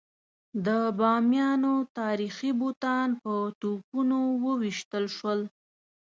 د بامیانو تاریخي بوتان په توپونو وویشتل شول.